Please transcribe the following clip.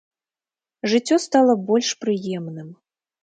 Жыццё стала больш прыемным.